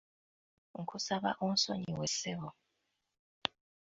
Nkusaba onsonyiwe ssebo.